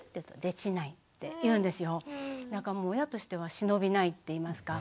だからもう親としては忍びないっていいますか。